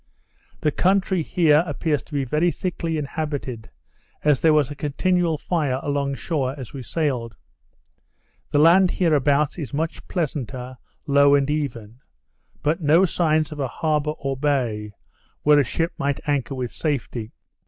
The country here appears to be very thickly inhabited, as there was a continual fire along shore as we sailed. The land hereabouts is much pleasanter, low, and even; but no signs of a harbour or bay, where a ship might anchor with safety.